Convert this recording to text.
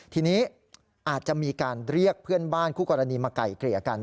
ทีนี้อาจจะมีการเรียกเพื่อนบ้านคู่กรณีมาไก่เกลี่ยกัน